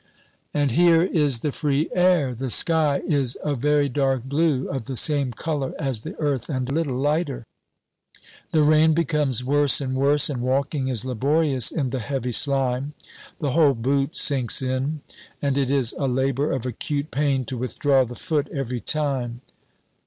And here is the free air! The sky is a very dark blue, of the same color as the earth and little lighter. The rain becomes worse and worse, and walking is laborious in the heavy slime. The whole boot sinks in, and it is a labor of acute pain to withdraw the foot every time.